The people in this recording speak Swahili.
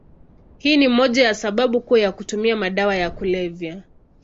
Hii ni moja ya sababu kuu ya kutumia madawa ya kulevya.